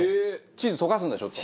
チーズ溶かすんだちょっと。